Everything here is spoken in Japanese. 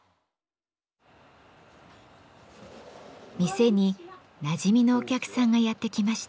店になじみのお客さんがやって来ました。